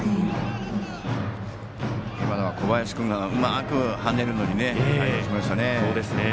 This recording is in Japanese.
今のは小林君がうまく跳ねるのに対応しましたね。